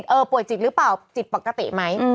ป่วยจิตหรือเปล่าจิตปกติไหม